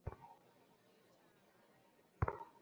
আমি যেতে পারব না।